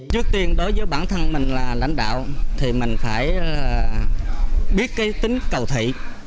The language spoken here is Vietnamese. trước tiên đối với bản thân mình là lãnh đạo thì mình phải biết cái tính cầu thị